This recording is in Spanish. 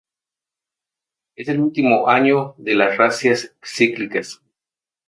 Es el último año de las razzias cíclicas.